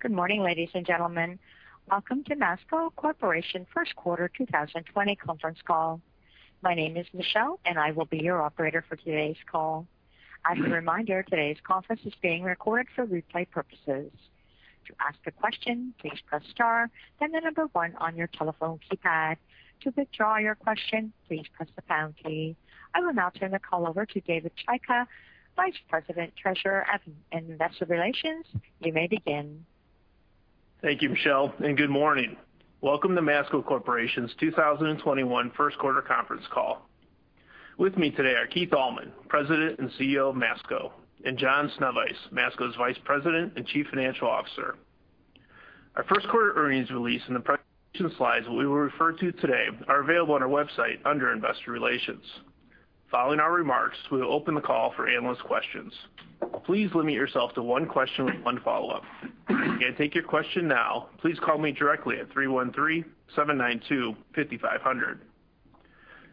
Good morning, ladies and gentlemen. Welcome to Masco Corporation first quarter 2021 conference call. My name is Michelle, and I will be your Operator for today's call. As a reminder, today's conference is being recorded for replay purposes. To ask a question, please press star then the number one on your telephone keypad. To withdraw your question, please press the pound key. I will now turn the call over to David Chaika, Vice President, Treasurer, and Investor Relations. You may begin. Thank you, Michelle. Good morning. Welcome to Masco Corporation's 2021 first quarter conference call. With me today are Keith Allman, President and CEO of Masco, and John Sznewajs, Masco's Vice President and Chief Financial Officer. Our first quarter earnings release and the presentation slides that we will refer to today are available on our website under Investor Relations. Following our remarks, we will open the call for analyst questions. Please limit yourself to one question with one follow-up. If I can take your question now, please call me directly at 313-792-5500.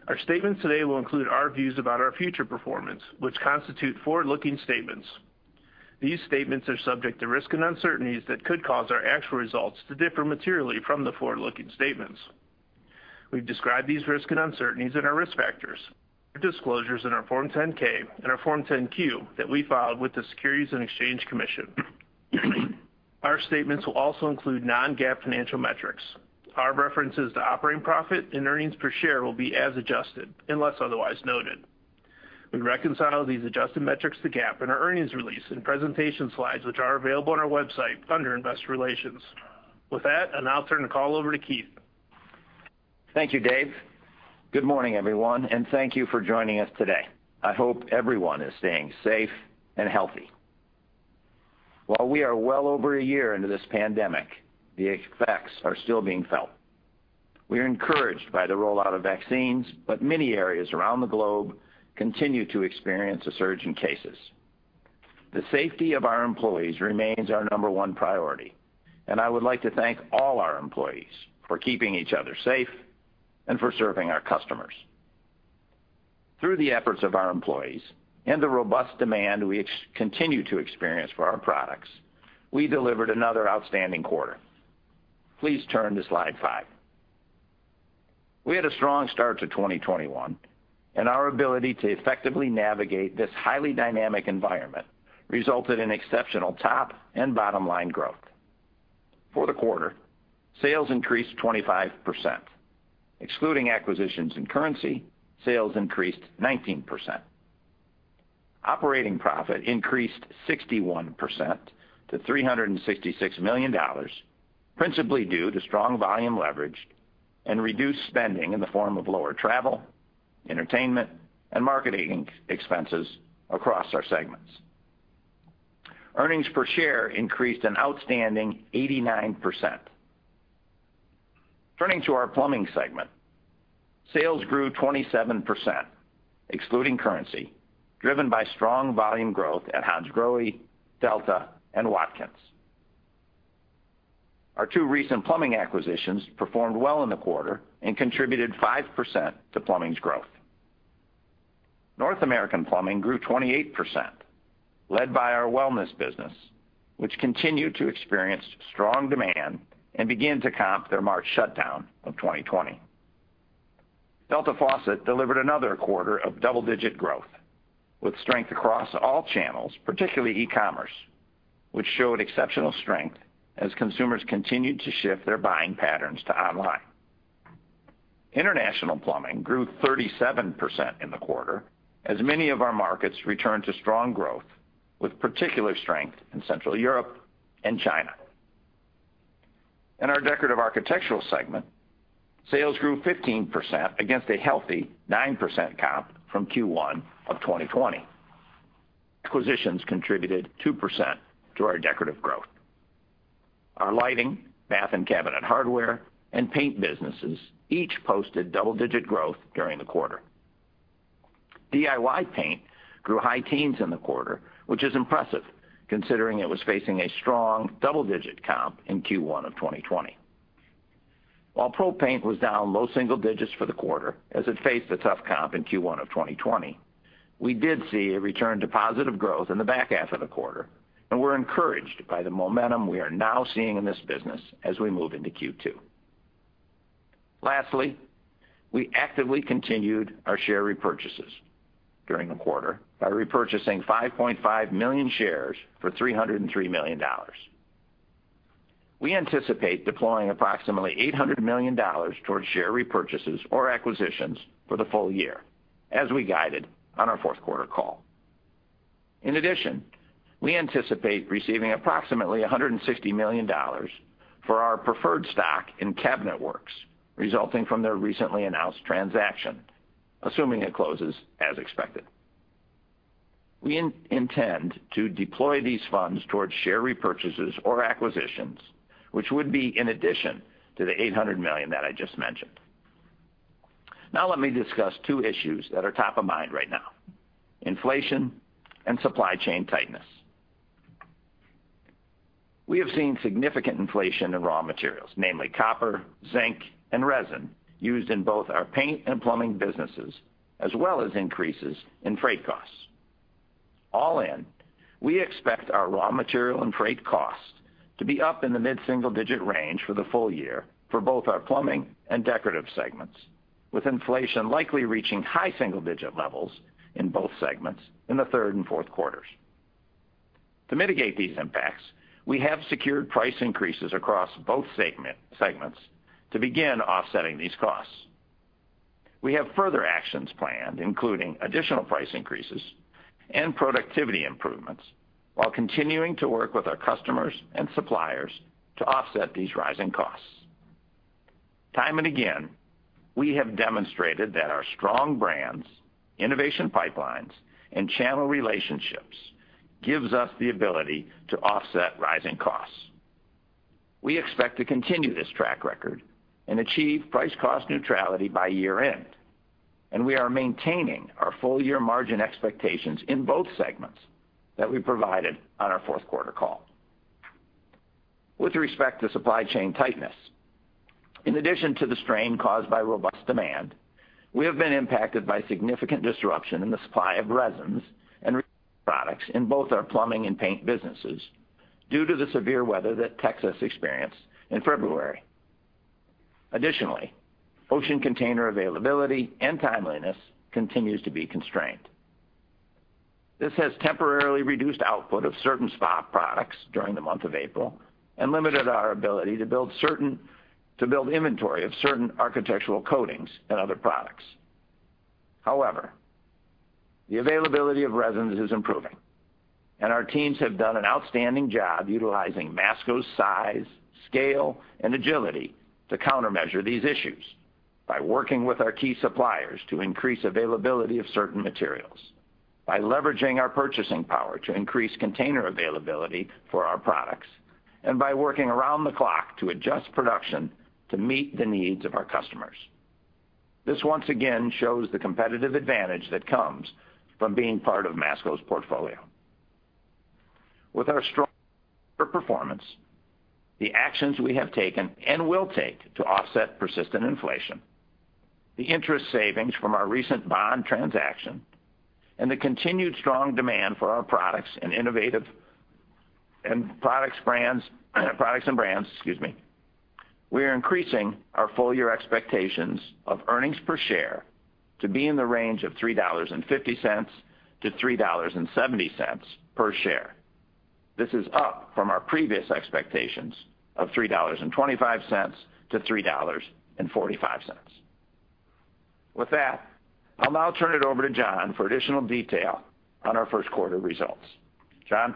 Our statements today will include our views about our future performance, which constitute forward-looking statements. These statements are subject to risks and uncertainties that could cause our actual results to differ materially from the forward-looking statements. We've described these risks and uncertainties in our risk factors, our disclosures in our Form 10-K and our Form 10-Q that we filed with the Securities and Exchange Commission. Our statements will also include non-GAAP financial metrics. Our references to operating profit and earnings per share will be as adjusted, unless otherwise noted. We reconcile these adjusted metrics to GAAP in our earnings release and presentation slides, which are available on our website under Investor Relations. With that, I'll now turn the call over to Keith. Thank you, Dave. Good morning, everyone, and thank you for joining us today. I hope everyone is staying safe and healthy. While we are well over a year into this pandemic, the effects are still being felt. We are encouraged by the rollout of vaccines, but many areas around the globe continue to experience a surge in cases. The safety of our employees remains our number one priority, and I would like to thank all our employees for keeping each other safe and for serving our customers. Through the efforts of our employees and the robust demand we continue to experience for our products, we delivered another outstanding quarter. Please turn to slide five. We had a strong start to 2021, and our ability to effectively navigate this highly dynamic environment resulted in exceptional top and bottom-line growth. For the quarter, sales increased 25%. Excluding acquisitions and currency, sales increased 19%. Operating profit increased 61% to $366 million, principally due to strong volume leverage and reduced spending in the form of lower travel, entertainment, and marketing expenses across our segments. Earnings per share increased an outstanding 89%. Turning to our Plumbing segment, sales grew 27%, excluding currency, driven by strong volume growth at Hansgrohe, Delta, and Watkins. Our two recent plumbing acquisitions performed well in the quarter and contributed 5% to plumbing's growth. North American plumbing grew 28%, led by our wellness business, which continued to experience strong demand and began to comp their March shutdown of 2020. Delta Faucet delivered another quarter of double-digit growth with strength across all channels, particularly e-commerce, which showed exceptional strength as consumers continued to shift their buying patterns to online. International plumbing grew 37% in the quarter as many of our markets returned to strong growth, with particular strength in Central Europe and China. In our Decorative architectural segment, sales grew 15% against a healthy 9% comp from Q1 of 2020. Acquisitions contributed 2% to our decorative growth. Our lighting, bath and cabinet hardware, and paint businesses each posted double-digit growth during the quarter. DIY Paint grew high teens in the quarter, which is impressive considering it was facing a strong double-digit comp in Q1 of 2020. While Pro Paint was down low-single-digits for the quarter as it faced a tough comp in Q1 of 2020, we did see a return to positive growth in the back half of the quarter and we're encouraged by the momentum we are now seeing in this business as we move into Q2. We actively continued our share repurchases during the quarter by repurchasing 5.5 million shares for $303 million. We anticipate deploying approximately $800 million towards share repurchases or acquisitions for the full year, as we guided on our fourth quarter call. We anticipate receiving approximately $160 million for our preferred stock in Cabinetworks, resulting from their recently announced transaction, assuming it closes as expected. We intend to deploy these funds towards share repurchases or acquisitions, which would be in addition to the $800 million that I just mentioned. Let me discuss two issues that are top of mind right now, inflation and supply chain tightness. We have seen significant inflation in raw materials, namely copper, zinc, and resin used in both our paint and plumbing businesses. As well as increases in freight costs. All in, we expect our raw material and freight costs to be up in the mid-single-digit range for the full year for both our Plumbing and Decorative segments, with inflation likely reaching high-single-digit levels in both segments in the third and fourth quarters. To mitigate these impacts, we have secured price increases across both segments to begin offsetting these costs. We have further actions planned, including additional price increases and productivity improvements while continuing to work with our customers and suppliers to offset these rising costs. Time and again, we have demonstrated that our strong brands, innovation pipelines, and channel relationships gives us the ability to offset rising costs. We expect to continue this track record and achieve price-cost neutrality by year-end, and we are maintaining our full-year margin expectations in both segments that we provided on our fourth quarter call. With respect to supply chain tightness, in addition to the strain caused by robust demand, we have been impacted by significant disruption in the supply of resins and products in both our plumbing and paint businesses due to the severe weather that Texas experienced in February. Ocean container availability and timeliness continues to be constrained. This has temporarily reduced output of certain spa products during the month of April and limited our ability to build inventory of certain architectural coatings and other products. The availability of resins is improving, and our teams have done an outstanding job utilizing Masco's size, scale, and agility to countermeasure these issues by working with our key suppliers to increase availability of certain materials, by leveraging our purchasing power to increase container availability for our products, and by working around the clock to adjust production to meet the needs of our customers. This once again shows the competitive advantage that comes from being part of Masco's portfolio. With our strong performance, the actions we have taken and will take to offset persistent inflation, the interest savings from our recent bond transaction, and the continued strong demand for our products and brands, we are increasing our full-year expectations of earnings per share to be in the range of $3.50-$3.70 per share. This is up from our previous expectations of $3.25-$3.45. With that, I'll now turn it over to John for additional detail on our first quarter results. John?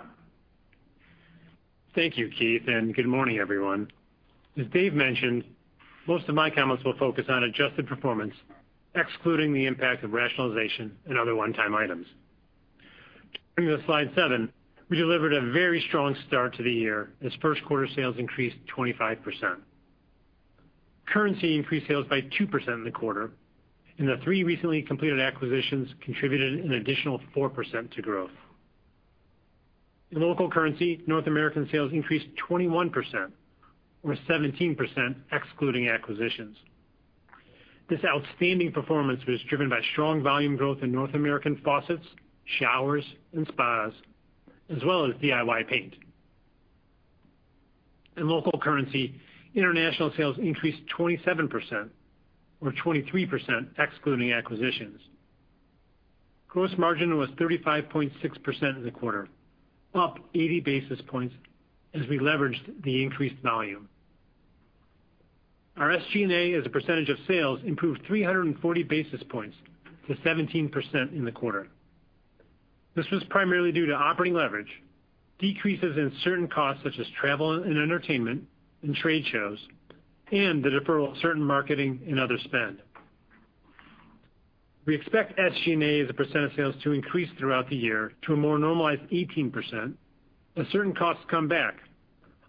Thank you, Keith. Good morning, everyone. As Dave mentioned, most of my comments will focus on adjusted performance, excluding the impact of rationalization and other one-time items. Turning to slide seven, we delivered a very strong start to the year as first quarter sales increased 25%. Currency increased sales by 2% in the quarter. The three recently completed acquisitions contributed an additional 4% to growth. In local currency, North American sales increased 21%, or 17% excluding acquisitions. This outstanding performance was driven by strong volume growth in North American faucets, showers, and spas, as well as DIY Paint. In local currency, international sales increased 27%, or 23% excluding acquisitions. Gross margin was 35.6% in the quarter, up 80 basis points as we leveraged the increased volume. Our SG&A as a percentage of sales improved 340 basis points to 17% in the quarter. This was primarily due to operating leverage, decreases in certain costs such as travel and entertainment and trade shows, and the deferral of certain marketing and other spend. We expect SG&A as a percent of sales to increase throughout the year to a more normalized 18% as certain costs come back,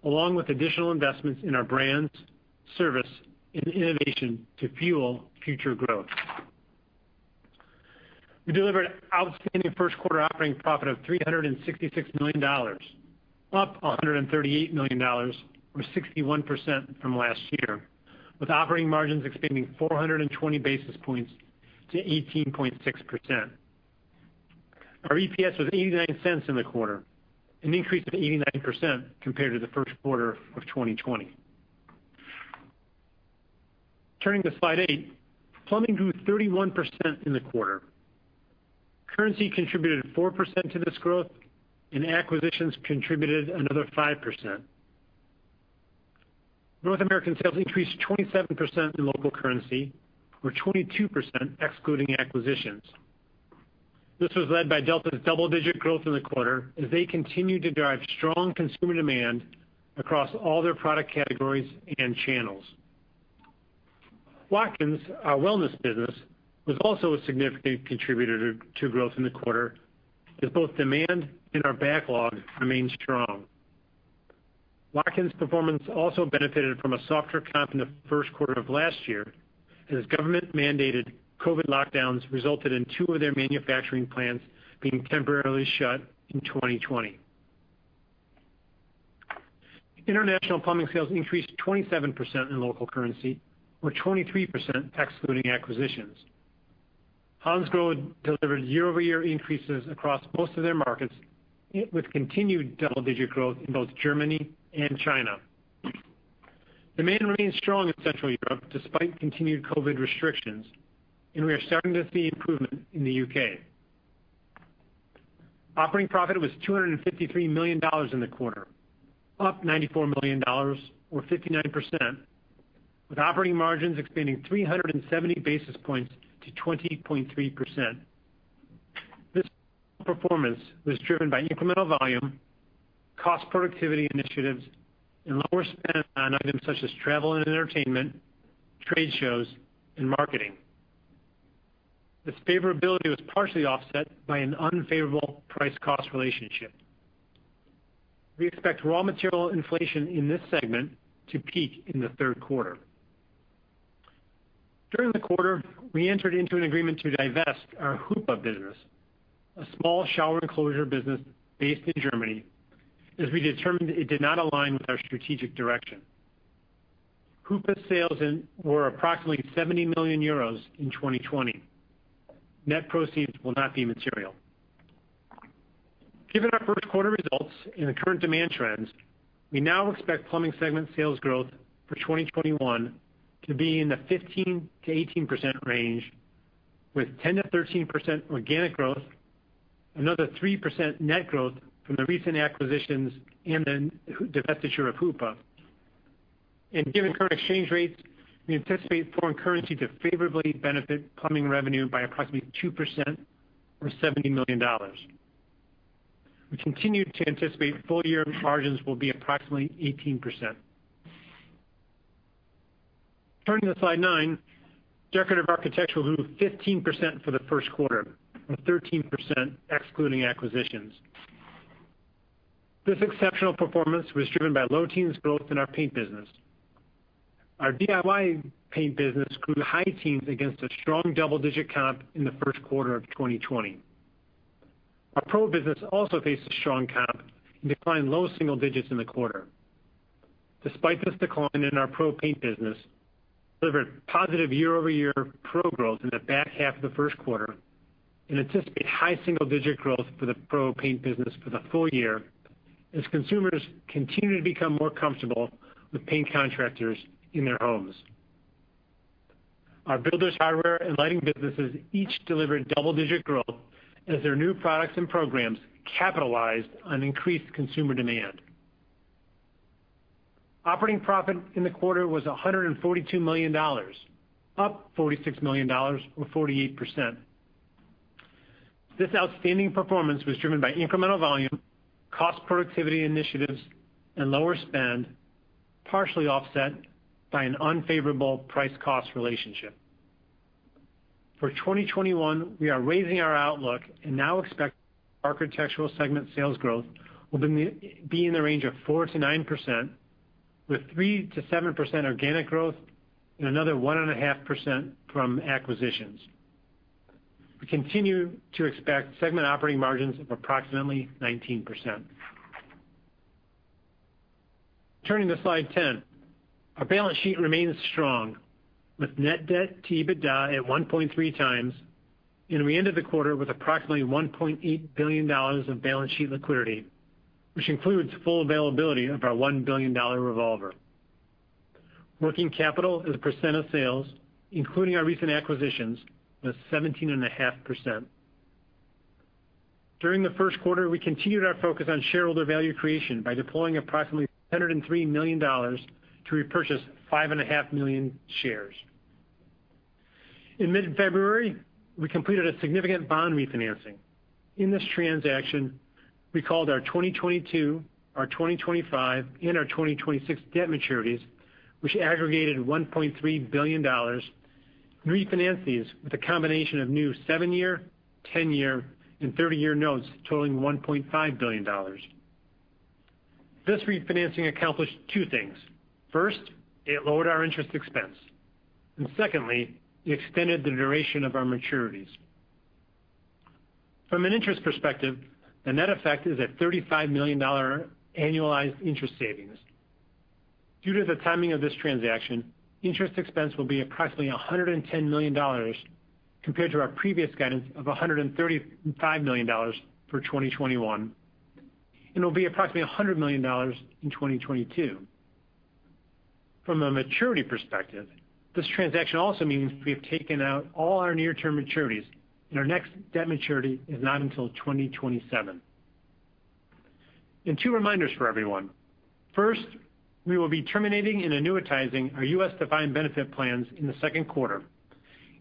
along with additional investments in our brands, service, and innovation to fuel future growth. We delivered outstanding first quarter operating profit of $366 million, up $138 million or 61% from last year, with operating margins expanding 420 basis points to 18.6%. Our EPS was $0.89 in the quarter, an increase of 89% compared to the first quarter of 2020. Turning to slide eight. Plumbing grew 31% in the quarter. Currency contributed 4% to this growth, and acquisitions contributed another 5%. North American sales increased 27% in local currency or 22% excluding acquisitions. This was led by Delta's double-digit growth in the quarter as they continued to drive strong consumer demand across all their product categories and channels. Watkins, our wellness business, was also a significant contributor to growth in the quarter as both demand and our backlog remained strong. Watkins' performance also benefited from a softer comp in the first quarter of last year, as government-mandated COVID-19 lockdowns resulted in two of their manufacturing plants being temporarily shut in 2020. International plumbing sales increased 27% in local currency or 23% excluding acquisitions. Hansgrohe delivered year-over-year increases across most of their markets, with continued double-digit growth in both Germany and China. Demand remains strong in Central Europe despite continued COVID-19 restrictions, and we are starting to see improvement in the U.K. Operating profit was $253 million in the quarter, up $94 million or 59%, with operating margins expanding 370 basis points to 20.3%. This performance was driven by incremental volume, cost productivity initiatives, and lower spend on items such as travel and entertainment, trade shows, and marketing. This favorability was partially offset by an unfavorable price-cost relationship. We expect raw material inflation in this segment to peak in the third quarter. During the quarter, we entered into an agreement to divest our HÜPPE business, a small shower enclosure business based in Germany, as we determined it did not align with our strategic direction. HÜPPE sales were approximately 70 million euros in 2020. Net proceeds will not be material. Given our first quarter results and the current demand trends, we now expect Plumbing segment sales growth for 2021 to be in the 15%-18% range, with 10%-13% organic growth, another 3% net growth from the recent acquisitions and the divestiture of HÜPPE. Given current exchange rates, we anticipate foreign currency to favorably benefit plumbing revenue by approximately 2% or $70 million. We continue to anticipate full year margins will be approximately 18%. Turning to slide nine, Decorative Architectural grew 15% for the first quarter or 13% excluding acquisitions. This exceptional performance was driven by low-teens growth in our paint business. Our DIY Paint business grew high-teens against a strong double-digit comp in the first quarter of 2020. Our Pro business also faced a strong comp and declined low-single-digits in the quarter. Despite this decline in our Pro Paint business, we delivered positive year-over-year Pro growth in the back half of the first quarter and anticipate high-single-digit growth for the Pro Paint business for the full year as consumers continue to become more comfortable with paint contractors in their homes. Our builders hardware and lighting businesses each delivered double-digit growth as their new products and programs capitalized on increased consumer demand. Operating profit in the quarter was $142 million, up $46 million or 48%. This outstanding performance was driven by incremental volume, cost productivity initiatives and lower spend, partially offset by an unfavorable price-cost relationship. For 2021, we are raising our outlook and now expect architectural segment sales growth will be in the range of 4%-9%, with 3%-7% organic growth and another 1.5% from acquisitions. We continue to expect segment operating margins of approximately 19%. Turning to slide 10. Our balance sheet remains strong with net debt-to-EBITDA at 1.3x, and we ended the quarter with approximately $1.8 billion of balance sheet liquidity, which includes full availability of our $1 billion revolver. Working capital as a percent of sales, including our recent acquisitions, was 17.5%. During the first quarter, we continued our focus on shareholder value creation by deploying approximately $303 million to repurchase 5.5 million shares. In mid-February, we completed a significant bond refinancing. In this transaction, we called our 2022, our 2025, and our 2026 debt maturities, which aggregated $1.3 billion, and refinanced these with a combination of new seven-year, 10-year, and 30-year notes totaling $1.5 billion. This refinancing accomplished two things. First, it lowered our interest expense, and secondly, it extended the duration of our maturities. From an interest perspective, the net effect is a $35 million annualized interest savings. Due to the timing of this transaction, interest expense will be approximately $110 million compared to our previous guidance of $135 million for 2021, and will be approximately $100 million in 2022. From a maturity perspective, this transaction also means we have taken out all our near term maturities and our next debt maturity is not until 2027. Two reminders for everyone. First, we will be terminating and annuitizing our U.S. defined benefit plans in the second quarter,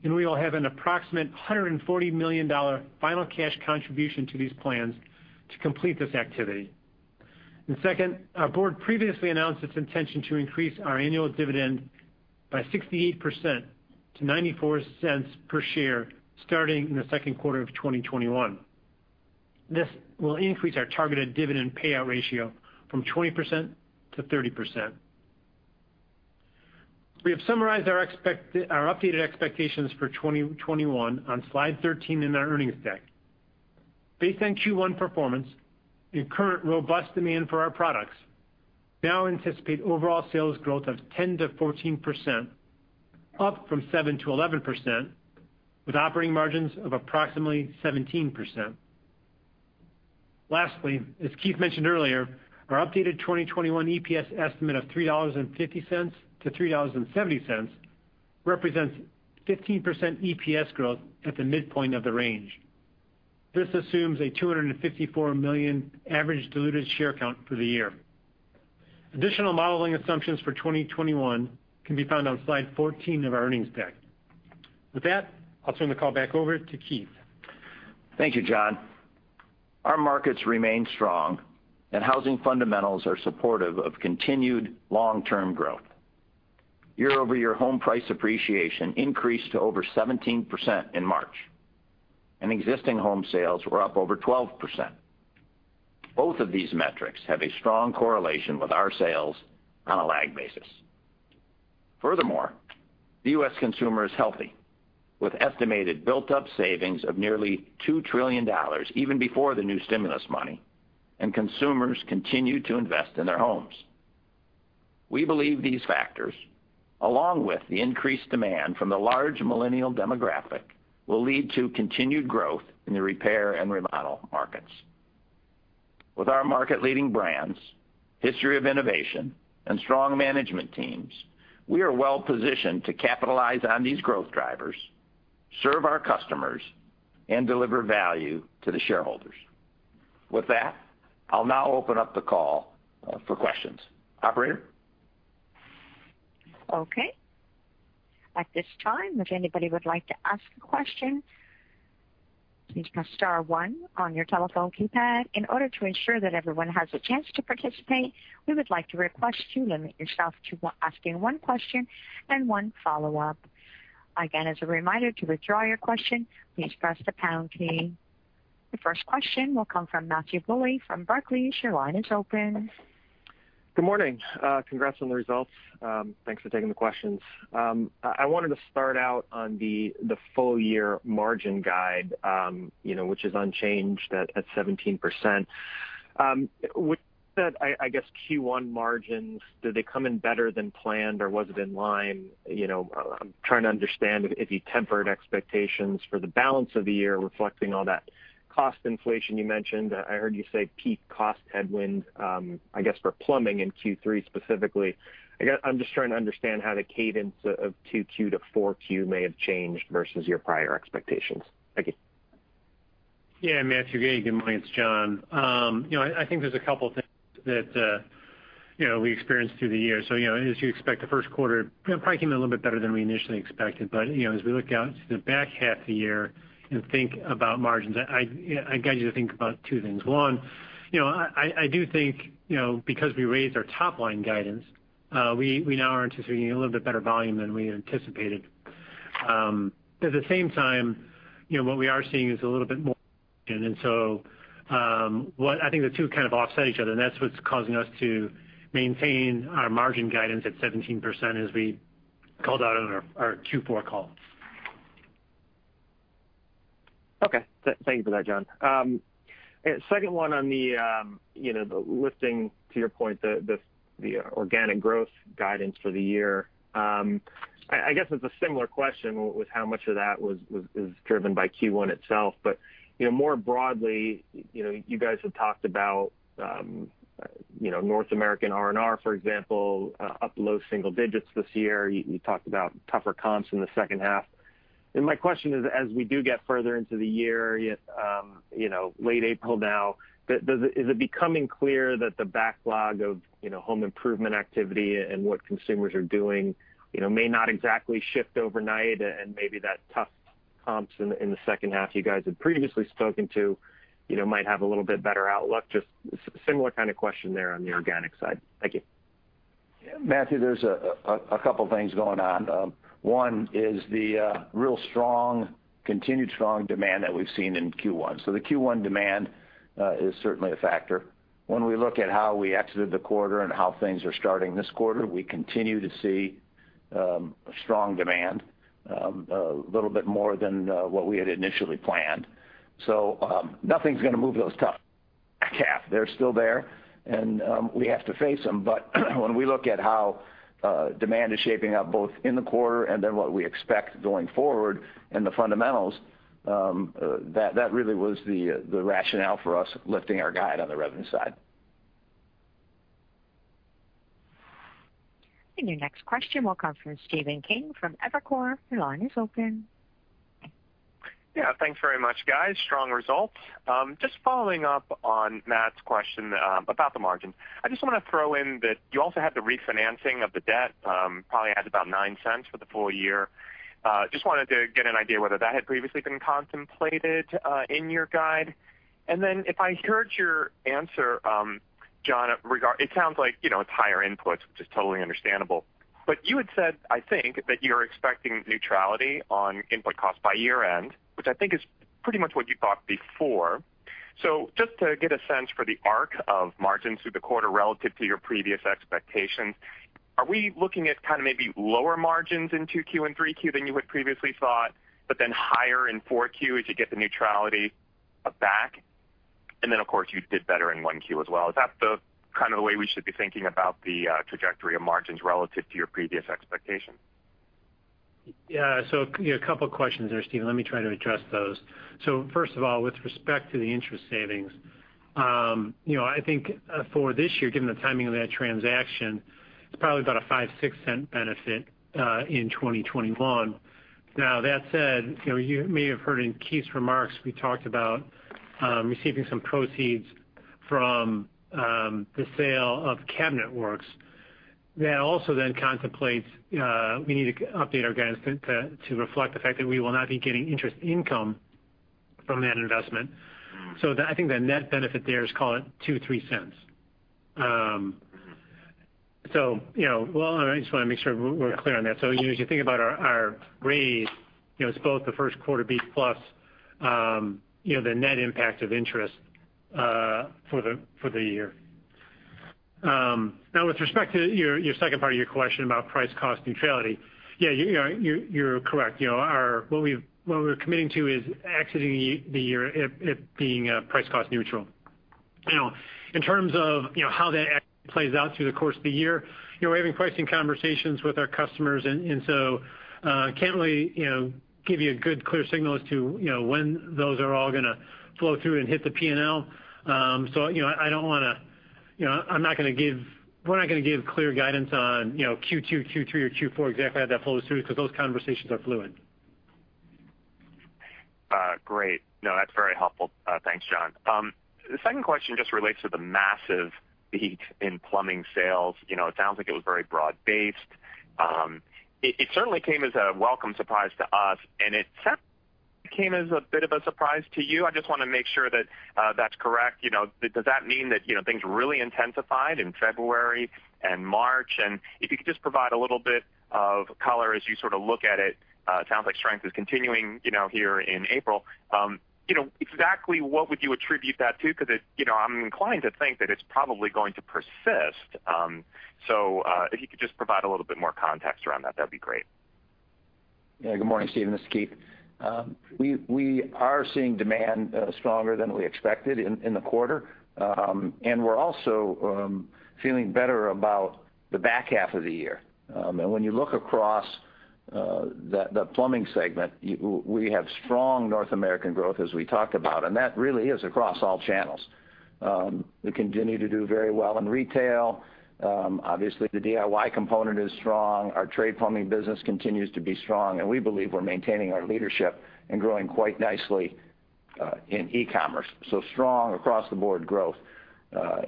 and we will have an approximate $140 million final cash contribution to these plans to complete this activity. Second, our board previously announced its intention to increase our annual dividend by 68% to $0.94 per share starting in the second quarter of 2021. This will increase our targeted dividend payout ratio from 20%-30%. We have summarized our updated expectations for 2021 on slide 13 in our earnings deck. Based on Q1 performance and current robust demand for our products, we now anticipate overall sales growth of 10%-14%, up from 7%-11%, with operating margins of approximately 17%. Lastly, as Keith mentioned earlier, our updated 2021 EPS estimate of $3.50-$3.70 represents 15% EPS growth at the midpoint of the range. This assumes a 254 million average diluted share count for the year. Additional modeling assumptions for 2021 can be found on slide 14 of our earnings deck. With that, I'll turn the call back over to Keith. Thank you, John. Our markets remain strong, and housing fundamentals are supportive of continued long-term growth. Year-over-year home price appreciation increased to over 17% in March, and existing home sales were up over 12%. Both of these metrics have a strong correlation with our sales on a lag basis. Furthermore, the U.S. consumer is healthy, with estimated built-up savings of nearly $2 trillion even before the new stimulus money, and consumers continue to invest in their homes. We believe these factors, along with the increased demand from the large millennial demographic, will lead to continued growth in the repair and remodel markets. With our market-leading brands, history of innovation, and strong management teams, we are well-positioned to capitalize on these growth drivers, serve our customers, and deliver value to the shareholders. With that, I'll now open up the call for questions. Operator? Okay. At this time, if anybody would like to ask a question, please press star one on your telephone keypad. In order to ensure that everyone has a chance to participate, we would like to request you limit yourself to asking one question and one follow-up. Again, as a reminder, to withdraw your question, please press the pound key. The first question will come from Matthew Bouley from Barclays. Your line is open. Good morning. Congrats on the results. Thanks for taking the questions. I wanted to start out on the full year margin guide, which is unchanged at 17%. With that, I guess Q1 margins, did they come in better than planned or was it in line? I'm trying to understand if you tempered expectations for the balance of the year reflecting all that cost inflation you mentioned. I heard you say peak cost headwind, I guess, for plumbing in Q3 specifically. I'm just trying to understand how the cadence of 2Q to 4Q may have changed versus your prior expectations? Thank you. Matthew. Good morning. It's John. I think there's a couple things that we experienced through the year. As you expect, the first quarter probably came in a little bit better than we initially expected. As we look out into the back half of the year and think about margins, I guide you to think about two things. One, I do think because we raised our top-line guidance, we now are anticipating a little bit better volume than we anticipated. At the same time, what we are seeing is a little bit more, and so I think the two kind of offset each other, and that's what's causing us to maintain our margin guidance at 17% as we called out on our Q4 call. Okay. Thank you for that, John. Second one on the lifting, to your point, the organic growth guidance for the year. I guess it's a similar question with how much of that was driven by Q1 itself. More broadly, you guys have talked about North American R&R, for example, up low-single-digits this year. You talked about tougher comps in the second half. My question is, as we do get further into the year, late April now, is it becoming clear that the backlog of home improvement activity and what consumers are doing may not exactly shift overnight and maybe that tough comps in the second half you guys had previously spoken to might have a little bit better outlook? Just similar kind of question there on the organic side. Thank you. Matthew, there's a couple things going on. One is the real continued strong demand that we've seen in Q1. The Q1 demand is certainly a factor. When we look at how we exited the quarter and how things are starting this quarter, we continue to see strong demand, a little bit more than what we had initially planned. Nothing's going to move those tough comps. They're still there, and we have to face them. When we look at how demand is shaping up, both in the quarter and then what we expect going forward and the fundamentals, that really was the rationale for us lifting our guide on the revenue side. Your next question will come from Stephen Kim from Evercore. Your line is open. Yeah. Thanks very much, guys. Strong results. Just following up on Matt's question about the margin. I just want to throw in that you also had the refinancing of the debt, probably adds about $0.09 for the full year. Just wanted to get an idea whether that had previously been contemplated in your guide. If I heard your answer, John, it sounds like it's higher inputs, which is totally understandable. You had said, I think, that you're expecting neutrality on input costs by year-end, which I think is pretty much what you thought before. Just to get a sense for the arc of margins through the quarter relative to your previous expectations, are we looking at kind of maybe lower margins in Q2 and Q3 than you had previously thought, but then higher in Q4 as you get the neutrality back? Of course, you did better in Q1 as well. Is that the kind of way we should be thinking about the trajectory of margins relative to your previous expectations? Yeah. A couple of questions there, Stephen. Let me try to address those. First of all, with respect to the interest savings, I think for this year, given the timing of that transaction, it's probably about a $0.05, $0.06 benefit, in 2021. That said, you may have heard in Keith's remarks, we talked about receiving some proceeds from the sale of Cabinetworks. That also then contemplates, we need to update our guidance to reflect the fact that we will not be getting interest income from that investment. I think the net benefit there is, call it $0.02, $0.03. Well, I just want to make sure we're clear on that. As you think about our raise, it's both the first quarter beat, plus the net impact of interest, for the year. With respect to your second part of your question about price-cost neutrality, yeah, you're correct. What we're committing to is exiting the year it being price-cost neutral. In terms of how that actually plays out through the course of the year, we're having pricing conversations with our customers and so, can't really give you a good, clear signal as to when those are all going to flow through and hit the P&L. We're not going to give clear guidance on Q2, Q3, or Q4 exactly how that flows through, because those conversations are fluid. Great. No, that's very helpful. Thanks, John. The second question just relates to the massive beat in plumbing sales. It sounds like it was very broad-based. It certainly came as a welcome surprise to us and it certainly came as a bit of a surprise to you. I just want to make sure that's correct. Does that mean that things really intensified in February and March? If you could just provide a little bit of color as you sort of look at it. It sounds like strength is continuing here in April. Exactly what would you attribute that to? Because I'm inclined to think that it's probably going to persist. If you could just provide a little bit more context around that'd be great. Yeah. Good morning, Stephen. This is Keith. We are seeing demand stronger than we expected in the quarter. We're also feeling better about the back half of the year. When you look across the Plumbing segment, we have strong North American growth as we talked about, and that really is across all channels. We continue to do very well in retail. Obviously, the DIY component is strong. Our trade plumbing business continues to be strong, and we believe we're maintaining our leadership and growing quite nicely, in e-commerce. Strong across the board growth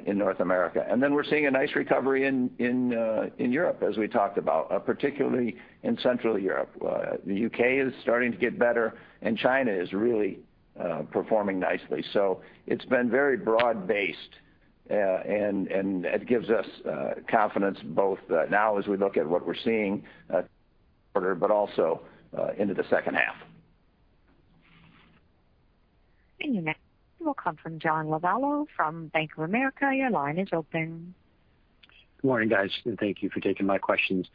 in North America. We're seeing a nice recovery in Europe as we talked about, particularly in Central Europe. The U.K. is starting to get better, and China is really performing nicely. It's been very broad-based, and it gives us confidence both now as we look at what we're seeing quarter, but also into the second half. Your next will come from John Lovallo from Bank of America. Your line is open. Good morning, guys, and thank you for taking my questions.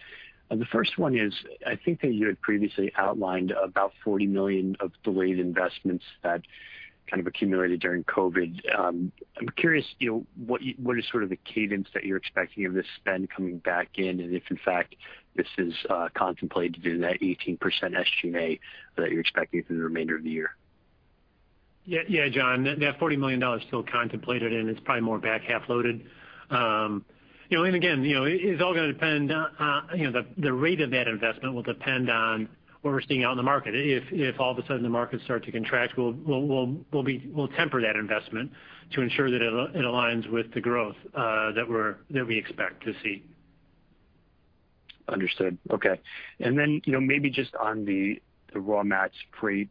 The first one is, I think that you had previously outlined about $40 million of delayed investments that kind of accumulated during COVID-19. I'm curious, what is sort of the cadence that you're expecting of this spend coming back in, and if in fact this is contemplated into that 18% SG&A that you're expecting through the remainder of the year? Yeah, John, that $40 million is still contemplated. It's probably more back half loaded. Again, it's all going to depend on the rate of that investment will depend on what we're seeing out in the market. If all of a sudden the markets start to contract, we'll temper that investment to ensure that it aligns with the growth that we expect to see. Understood. Okay. Maybe just on the raw mats freight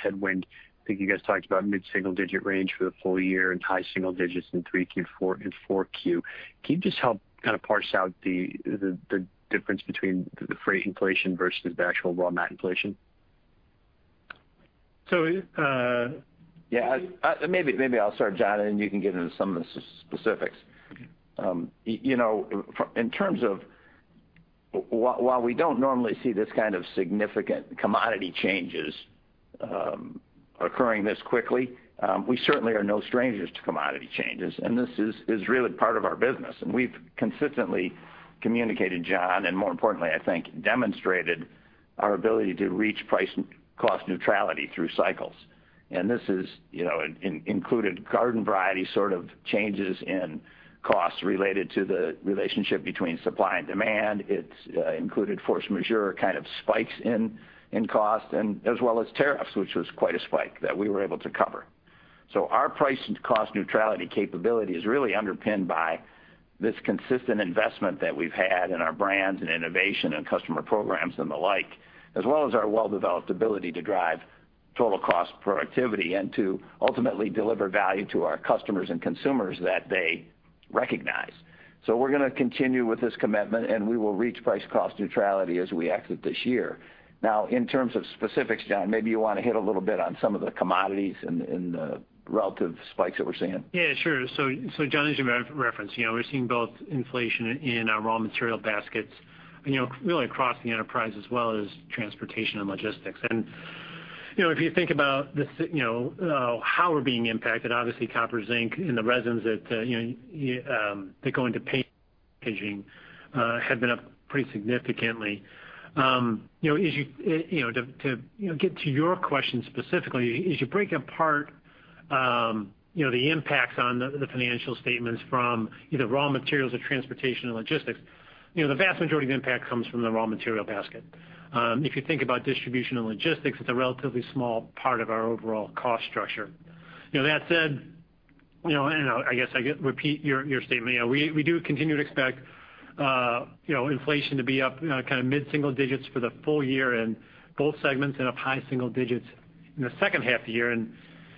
headwind. I think you guys talked about mid-single-digit range for the full year and high-single-digits in Q3, Q4 and 4Q. Can you just help kind of parse out the difference between the freight inflation versus the actual raw mat inflation? Keith? Yeah. Maybe I'll start, John, and you can get into some of the specifics. In terms of while we don't normally see this kind of significant commodity changes occurring this quickly, we certainly are no strangers to commodity changes, and this is really part of our business, and we've consistently communicated, John, and more importantly, I think demonstrated our ability to reach price-cost neutrality through cycles. This has included garden variety sort of changes in costs related to the relationship between supply and demand. It's included force majeure kind of spikes in cost, and as well as tariffs, which was quite a spike that we were able to cover. Our price and cost neutrality capability is really underpinned by this consistent investment that we've had in our brands and innovation and customer programs and the like, as well as our well-developed ability to drive total cost productivity and to ultimately deliver value to our customers and consumers that they recognize. We're going to continue with this commitment, and we will reach price-cost neutrality as we exit this year. Now, in terms of specifics, John, maybe you want to hit a little bit on some of the commodities and the relative spikes that we're seeing. Yeah, sure. John, as you referenced, we're seeing both inflation in our raw material baskets really across the enterprise as well as transportation and logistics. If you think about how we're being impacted, obviously copper, zinc in the resins that go into packaging have been up pretty significantly. To get to your question specifically, as you break apart the impacts on the financial statements from either raw materials or transportation and logistics, the vast majority of the impact comes from the raw material basket. If you think about distribution and logistics, it's a relatively small part of our overall cost structure. That said, I guess I repeat your statement. We do continue to expect inflation to be up mid-single-digits for the full year in both segments and up high-single-digits in the second half of the year.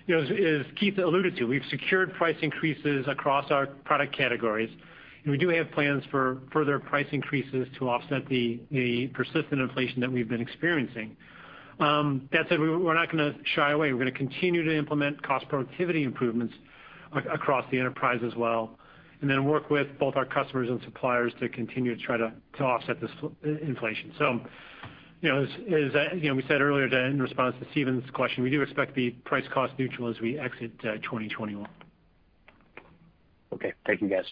As Keith alluded to, we've secured price increases across our product categories, we do have plans for further price increases to offset the persistent inflation that we've been experiencing. That said, we're not going to shy away. We're going to continue to implement cost productivity improvements across the enterprise as well, work with both our customers and suppliers to continue to try to offset this inflation. As we said earlier in response to Stephen's question, we do expect to be price-cost neutral as we exit 2021. Okay. Thank you, guys.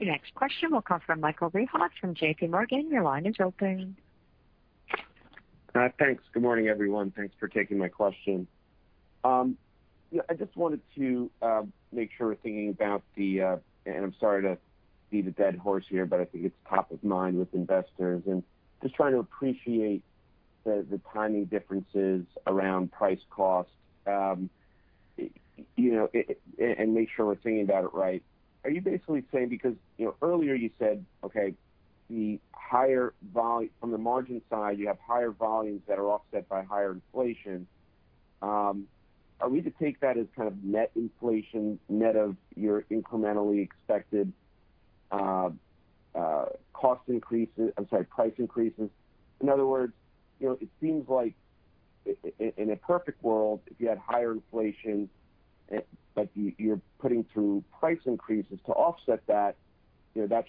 The next question will come from Michael Rehaut from JPMorgan. Your line is open. Thanks. Good morning, everyone. Thanks for taking my question. I just wanted to make sure we're thinking about the, I'm sorry to beat a dead horse here, but I think it's top of mind with investors, and just trying to appreciate the timing differences around price-cost, and make sure we're thinking about it right. Are you basically saying, because earlier you said, okay, from the margin side, you have higher volumes that are offset by higher inflation. Are we to take that as kind of net inflation, net of your incrementally expected price increases? In other words, it seems like in a perfect world, if you had higher inflation, but you're putting through price increases to offset that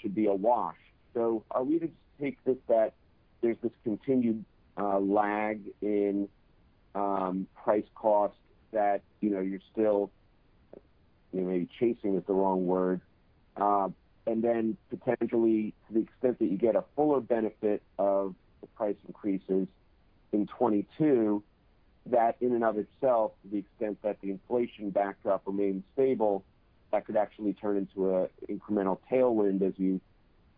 should be a wash. Are we to take this that there's this continued lag in price-cost that you're still, maybe chasing is the wrong word, and then potentially to the extent that you get a fuller benefit of the price increases in 2022, that in and of itself, to the extent that the inflation backdrop remains stable, that could actually turn into an incremental tailwind as you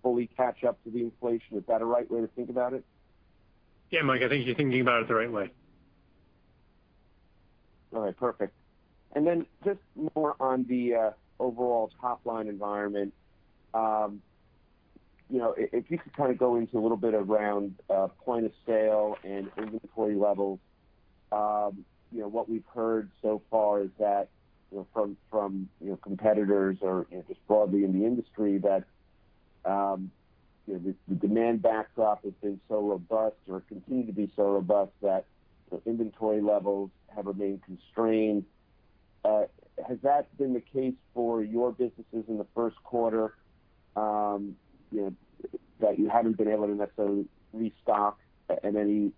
fully catch up to the inflation. Is that a right way to think about it? Yeah, Mike, I think you're thinking about it the right way. All right, perfect. Just more on the overall top-line environment. If you could kind of go into a little bit around point of sale and inventory levels. What we've heard so far is that from competitors or just broadly in the industry, that the demand backdrop has been so robust or continued to be so robust that inventory levels have remained constrained. Has that been the case for your businesses in the first quarter? That you haven't been able to necessarily restock at any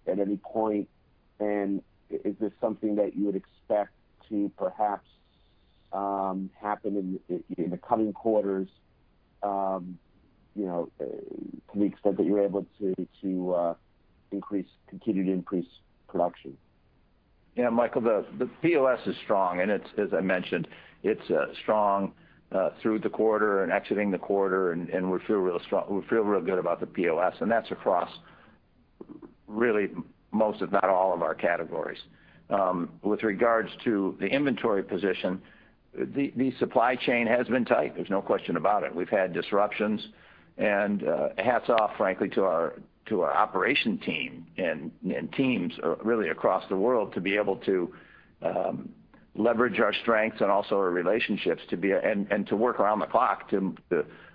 point, and is this something that you would expect to perhaps happen in the coming quarters to the extent that you're able to continue to increase production? Yeah, Michael, the POS is strong, and as I mentioned, it's strong through the quarter and exiting the quarter, and we feel real good about the POS, and that's across really most, if not all, of our categories. With regards to the inventory position, the supply chain has been tight. There's no question about it. We've had disruptions and hats off, frankly, to our operation team and teams really across the world to be able to leverage our strengths and also our relationships and to work around the clock to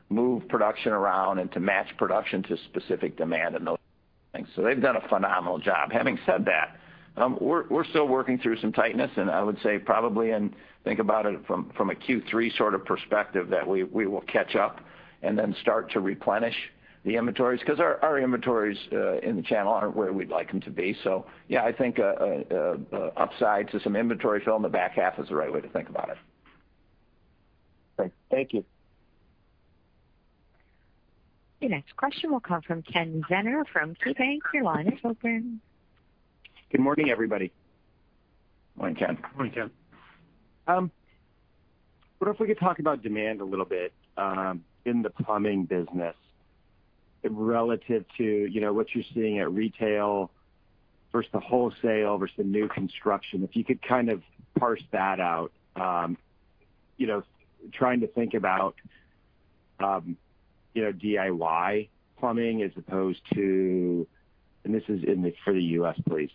move production around and to match production to specific demand and those things. They've done a phenomenal job. Having said that, we're still working through some tightness, and I would say probably, and think about it from a Q3 sort of perspective, that we will catch up and then start to replenish the inventories because our inventories in the channel aren't where we'd like them to be. Yeah, I think upside to some inventory fill in the back half is the right way to think about it. Great. Thank you. Your next question will come from Ken Zener from KeyBanc. Your line is open. Good morning, everybody. Morning, Ken. Morning, Ken. I wonder if we could talk about demand a little bit in the plumbing business relative to what you're seeing at retail versus the wholesale versus the new construction? If you could kind of parse that out? Trying to think about DIY plumbing as opposed to, and this is for the U.S., please.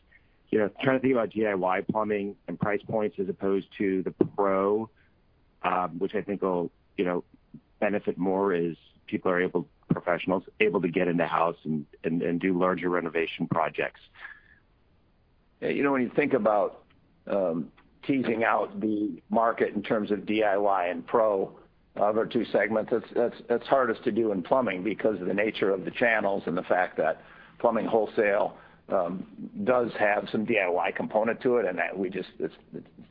Trying to think about DIY plumbing and price points as opposed to the Pro, which I think will benefit more as professionals able to get in the house and do larger renovation projects. When you think about teasing out the market in terms of DIY and Pro, of our two segments, that's hardest to do in plumbing because of the nature of the channels and the fact that plumbing wholesale does have some DIY component to it, and that it's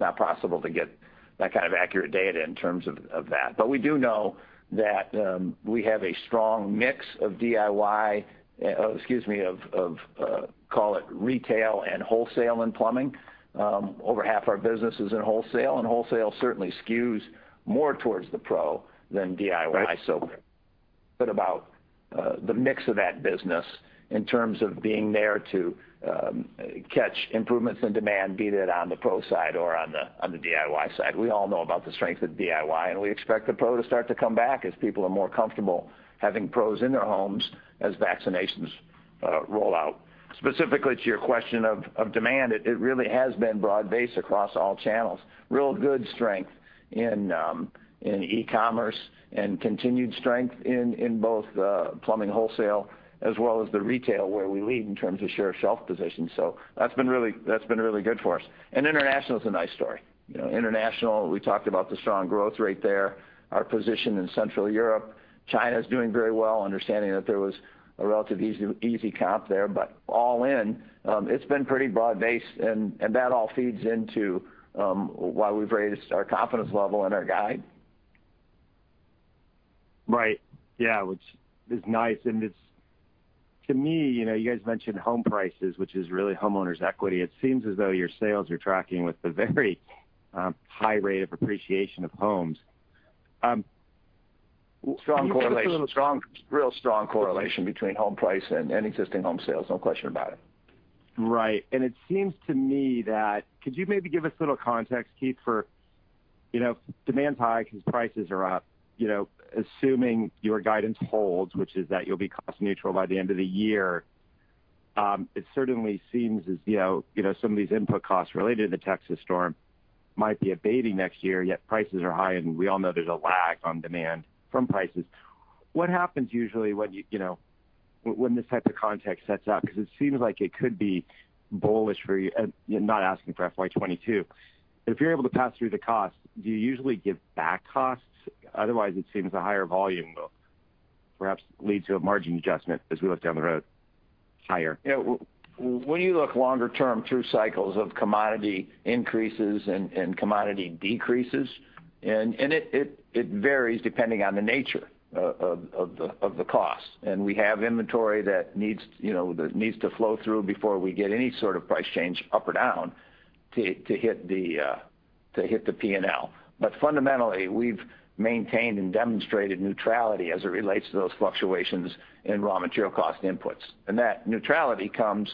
not possible to get that kind of accurate data in terms of that. We do know that we have a strong mix of DIY, call it retail and wholesale in plumbing. Over half our business is in wholesale, and wholesale certainly skews more towards the Pro than DIY. Right. Feel good about the mix of that business in terms of being there to catch improvements in demand, be that on the Pro side or on the DIY side. We all know about the strength of DIY, and we expect the Pro to start to come back as people are more comfortable having Pros in their homes as vaccinations roll out. Specifically to your question of demand, it really has been broad-based across all channels. Real good strength in e-commerce and continued strength in both plumbing wholesale as well as the retail, where we lead in terms of share of shelf position. That's been really good for us. International is a nice story. International, we talked about the strong growth rate there, our position in Central Europe. China is doing very well, understanding that there was a relative easy comp there. All in, it's been pretty broad-based, and that all feeds into why we've raised our confidence level and our guide. Right. Yeah, which is nice, and to me, you guys mentioned home prices, which is really homeowners' equity. It seems as though your sales are tracking with the very high rate of appreciation of homes. Strong correlation. Real strong correlation between home price and existing home sales, no question about it. Right. It seems to me that, could you maybe give us a little context, Keith, for demand's high because prices are up, assuming your guidance holds, which is that you'll be cost neutral by the end of the year? It certainly seems as some of these input costs related to the Texas storm might be abating next year, yet prices are high, and we all know there's a lag on demand from prices. What happens usually when this type of context sets out? It seems like it could be bullish for you, and not asking for FY 2022. If you're able to pass through the cost, do you usually give back costs? Otherwise, it seems the higher volume will perhaps lead to a margin adjustment as we look down the road, higher. When you look longer-term through cycles of commodity increases and commodity decreases, it varies depending on the nature of the cost. We have inventory that needs to flow through before we get any sort of price change up or down to hit the P&L. Fundamentally, we've maintained and demonstrated neutrality as it relates to those fluctuations in raw material cost inputs. That neutrality comes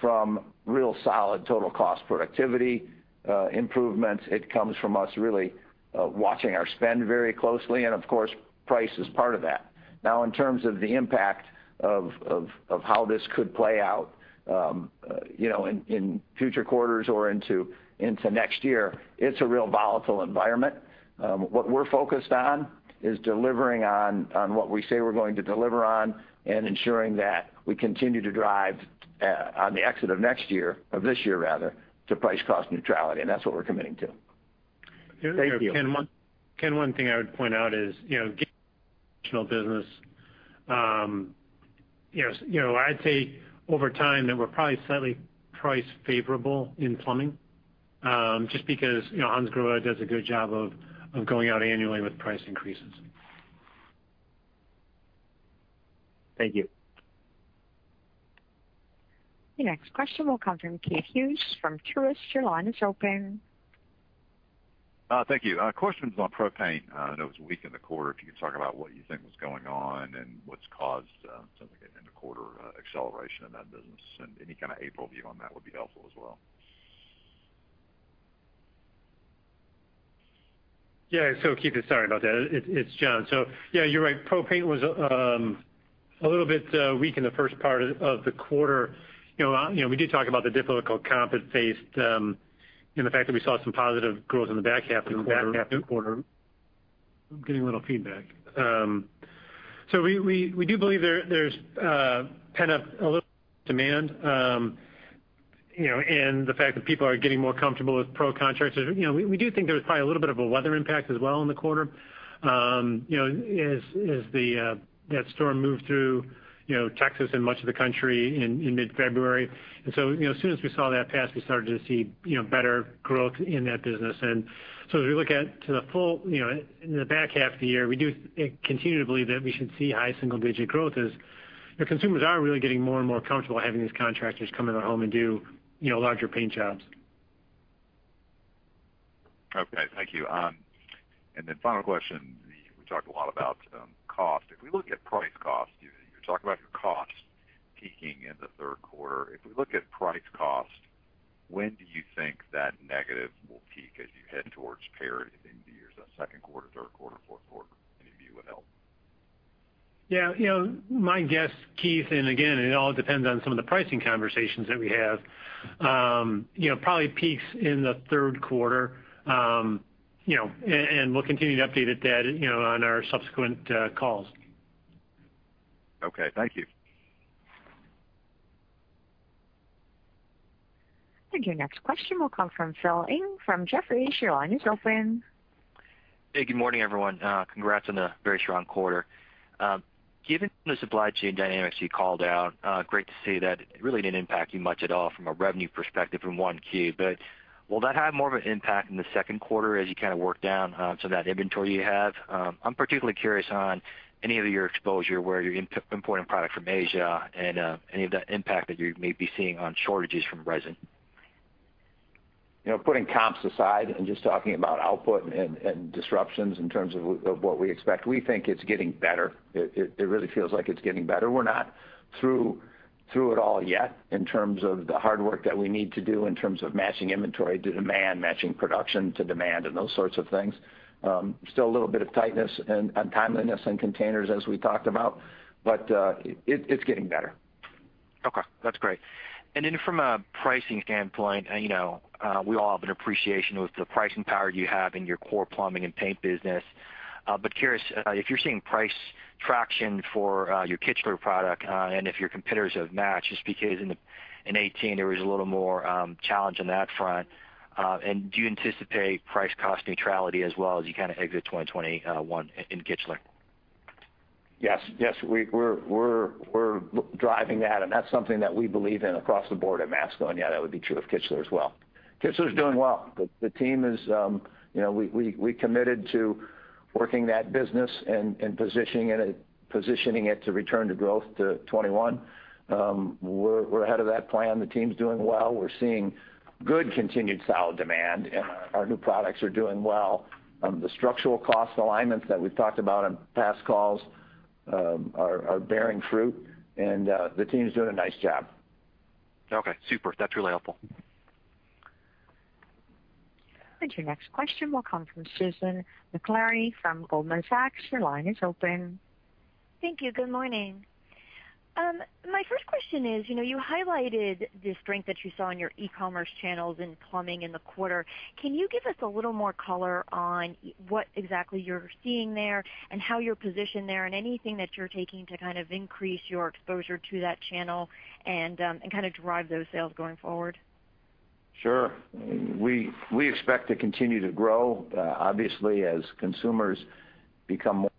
from real solid total cost productivity improvements. It comes from us really watching our spend very closely, and of course, price is part of that. Now, in terms of the impact of how this could play out in future quarters or into next year, it's a real volatile environment. What we're focused on is delivering on what we say we're going to deliver on and ensuring that we continue to drive on the exit of next year, of this year rather, to price-cost neutrality, and that's what we're committing to. Thank you. Ken, one thing I would point out is, getting additional business. I'd say over time that we're probably slightly price favorable in plumbing, just because Hansgrohe does a good job of going out annually with price increases. Thank you. Your next question will come from Keith Hughes from Truist. Your line is open. Thank you. Question's on Pro Paint. I know it was weak in the quarter. If you could talk about what you think was going on and what's caused something in the quarter acceleration in that business, and any kind of April view on that would be helpful as well? Yeah. Keith, sorry about that. It's John. Yeah, you're right. Pro Paint was a little bit weak in the first part of the quarter. We did talk about the difficult comp it faced, and the fact that we saw some positive growth in the back half of the quarter. I'm getting a little feedback. We do believe there's pent-up a little demand, and the fact that people are getting more comfortable with Pro contractors. We do think there was probably a little bit of a weather impact as well in the quarter as that storm moved through Texas and much of the country in mid-February. As soon as we saw that pass, we started to see better growth in that business. As we look at in the back half of the year, we do continue to believe that we should see high-single-digit growth as the consumers are really getting more and more comfortable having these contractors come in their home and do larger paint jobs. Okay. Thank you. Final question, we talked a lot about cost. If we look at price-cost, you talk about your costs peaking in the third quarter. When do you think that negative will peak as you head towards parity in the years of second quarter, third quarter, fourth quarter? Any view would help. Yeah. My guess, Keith, and again, it all depends on some of the pricing conversations that we have, probably peaks in the third quarter. We'll continue to update that on our subsequent calls. Okay. Thank you. Your next question will come from Phil Ng from Jefferies. Your line is open. Hey. Good morning, everyone. Congrats on a very strong quarter. Given the supply chain dynamics you called out, great to see that it really didn't impact you much at all from a revenue perspective in 1Q. Will that have more of an impact in the second quarter as you kind of work down some of that inventory you have? I'm particularly curious on any of your exposure where you're importing product from Asia and any of the impact that you may be seeing on shortages from resin. Putting comps aside and just talking about output and disruptions in terms of what we expect, we think it's getting better. It really feels like it's getting better. We're not through it all yet in terms of the hard work that we need to do in terms of matching inventory to demand, matching production to demand, and those sorts of things. Still a little bit of tightness and timeliness in containers as we talked about, but it's getting better. Okay. That's great. From a pricing standpoint, we all have an appreciation with the pricing power you have in your core plumbing and paint business. Curious if you're seeing price traction for your Kichler product, and if your competitors have matched, just because in 2018, there was a little more challenge on that front. Do you anticipate price-cost neutrality as well as you kind of exit 2021 in Kichler? Yes. We're driving that's something that we believe in across the board at Masco, yeah, that would be true of Kichler as well. Kichler is doing well. We committed to working that business and positioning it to return to growth to 2021. We're ahead of that plan. The team's doing well. We're seeing good continued solid demand, our new products are doing well. The structural cost alignments that we've talked about on past calls are bearing fruit, the team's doing a nice job. Okay. Super. That's really helpful. Your next question will come from Susan Maklari from Goldman Sachs. Your line is open. Thank you. Good morning. My first question is, you highlighted the strength that you saw in your e-commerce channels in plumbing in the quarter. Can you give us a little more color on what exactly you're seeing there and how you're positioned there and anything that you're taking to kind of increase your exposure to that channel and kind of drive those sales going forward? Sure. We expect to continue to grow, obviously, as consumers become more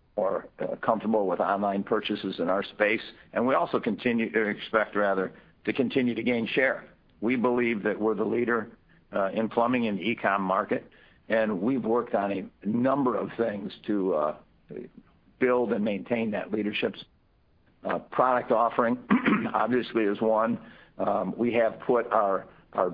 comfortable with online purchases in our space, and we also continue, or expect rather, to continue to gain share. We believe that we're the leader in plumbing in the e-com market, and we've worked on a number of things to build and maintain that leadership. Product offering obviously is one. We have put our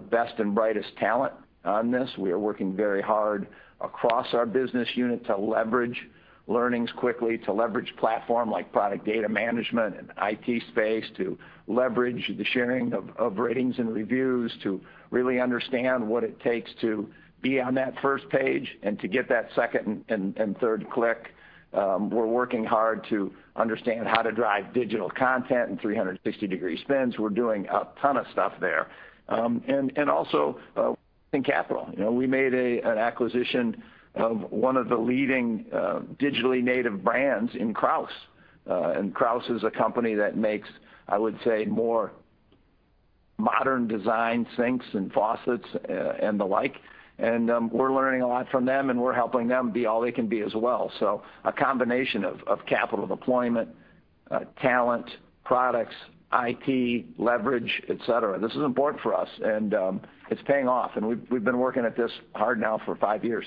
best and brightest talent on this. We are working very hard across our business unit to leverage learnings quickly, to leverage platform like product data management and IT space, to leverage the sharing of ratings and reviews, to really understand what it takes to be on that first page and to get that second and third click. We're working hard to understand how to drive digital content and 360-degree spins. We're doing a ton of stuff there. Also in capital. We made an acquisition of one of the leading digitally native brands in Kraus. Kraus is a company that makes, I would say, more modern design sinks and faucets and the like. We're learning a lot from them, and we're helping them be all they can be as well. A combination of capital deployment, talent, products, IT, leverage, et cetera. This is important for us, and it's paying off. We've been working at this hard now for five years.